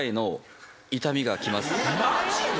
マジで！？